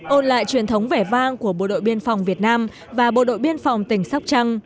ôn lại truyền thống vẻ vang của bộ đội biên phòng việt nam và bộ đội biên phòng tỉnh sóc trăng